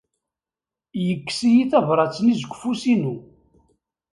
Yekkes-iyi tabṛat-nni seg ufus-inu.